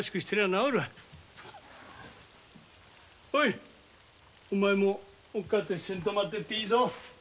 おいお前もおっ母ぁと一緒に泊まって行っていいぞ。